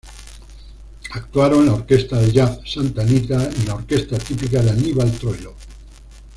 Actuaron la orquesta de jazz Santa Anita y la orquesta típica de Aníbal Troilo.